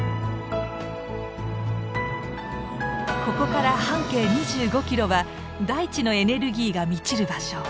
ここから半径２５キロは大地のエネルギーが満ちる場所。